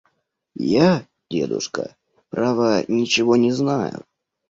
– Я, дедушка, право, ничего не знаю.